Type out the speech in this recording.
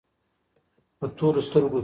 په تورو سترګو کي